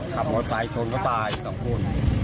คับมอสต์สายโทรเวัตตาย๑๒คน